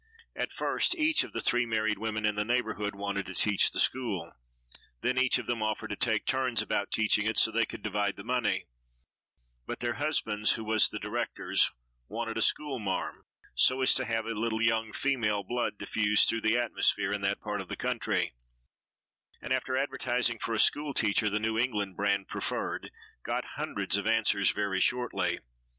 At first each of the three married women in the neighborhood wanted to teach the school. Then each of them offered to take turns about teaching it so they could divide the money, but their husbands, who was the directors, wanted a school marm, so as to have a little young female blood diffused through the atmosphere in that part of the country, and after advertising for a school teacher, the New England brand preferred, got hundreds of answers very shortly.